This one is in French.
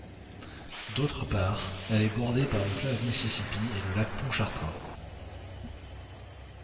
D'autre part, elle est bordée par le fleuve Mississippi et le lac Pontchartrain.